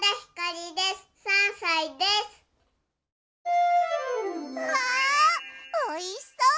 うわおいしそう！